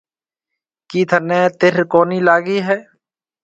ڪِي ٿنَي تره ڪونهي لاگِي هيَ؟